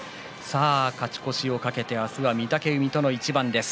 勝ち越しを懸けて明日は御嶽海との一番です。